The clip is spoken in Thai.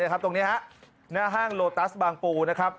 ตรงนี้หน้าห้างโลตัสบางปูนะครับ